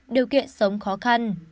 đều kiện sống khó khăn